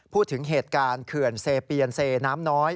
พูดถึงเหตุการณ์เขื่อนเซเปียนเซน้ำน้อย